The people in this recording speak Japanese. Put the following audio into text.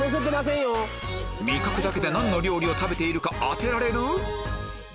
味覚だけで何の料理を食べているか当てられる？